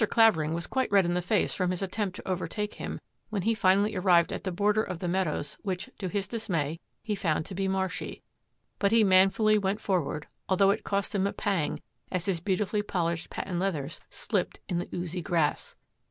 Clavering was quite red in the face from his attempt to overtake him when he finally arrived at the border of the meadows which, to his dismay, he found to be marshy ; but he manfully went for ward, although it cost him a pang as his beauti fully polished patent leathers slipped in the oozy grass.